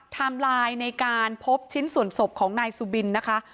ไลน์ในการพบชิ้นส่วนศพของนายสุบินนะคะ